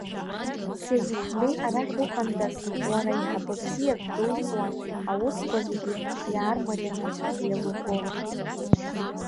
Семиҳ Беи арахь уҟандаз, уара аиҳабы бзиак дулҵуан, аусқәа зегьы иаармарианы иеилургон.